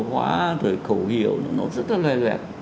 hóa rồi khẩu hiệu nó rất là loe loe